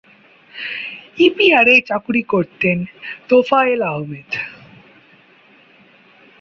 ইপিআরে চাকুরি করতেন তোফায়েল আহমেদ।